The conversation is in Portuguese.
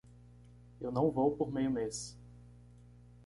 Eu não vou por meio mês.